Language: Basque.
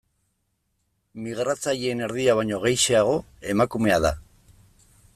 Migratzaileen erdia baino gehixeago emakumea da.